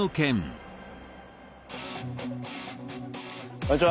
こんにちは。